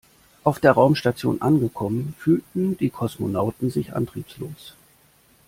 Auf der Raumstation angekommen fühlten die Kosmonauten sich antriebslos.